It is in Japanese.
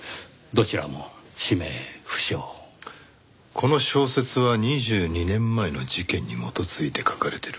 この小説は２２年前の事件に基づいて書かれてる。